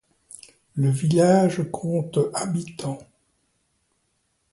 Le village compte habitants.